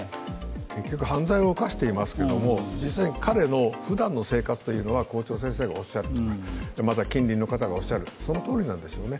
結局犯罪を犯していますけども、実際に彼のふだんの生活というのは校長先生がおっしゃる、また近隣の方がおっしゃるとおりなんですよね。